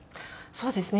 そうですね。